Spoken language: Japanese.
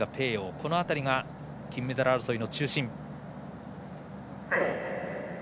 この辺りが金メダル争いの中心。